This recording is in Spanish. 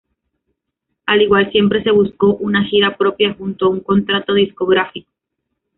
Al igual siempre se buscó una gira propia junto a un contrato discográfico.